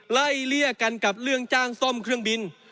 ไล่เลี่ยกันกับเรื่องจ้างซ่อมเครื่องบิน